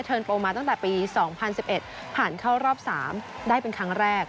โปรมาตั้งแต่ปี๒๐๑๑ผ่านเข้ารอบ๓ได้เป็นครั้งแรก